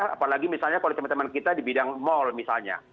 apalagi misalnya kalau teman teman kita di bidang mal misalnya